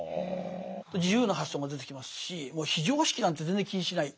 自由な発想も出てきますしもう非常識なんて全然気にしない。